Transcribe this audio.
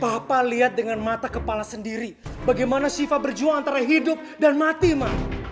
papa lihat dengan mata kepala sendiri bagaimana siva berjuang antara hidup dan mati